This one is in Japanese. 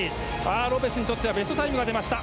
ロペスにとってはベストタイムが出ました。